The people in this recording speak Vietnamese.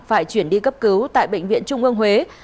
phải chuyển đi cấp cứu tại bệnh viện trung ương huế